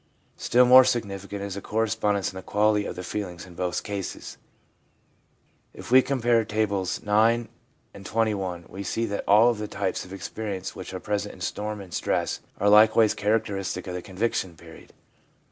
Still more significant is the correspondence in the quality of the feelings in both cases. If we compare Tables IX. and XXL, we see that all of the types of experience which are present in storm and stress are likewise characteristic of the conviction period.